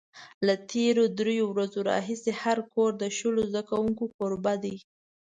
له تېرو درېیو ورځو راهیسې هر کور د شلو زده کوونکو کوربه دی.